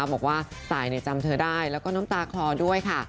บอกว่าสายจำเธอได้แล้วก็น้ำตาคลอด้วยค่ะ